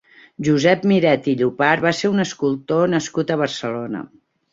Josep Miret i Llopart va ser un escultor nascut a Barcelona.